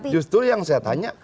justru yang saya tanya